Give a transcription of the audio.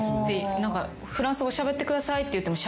フランス語しゃべってくださいって言っても。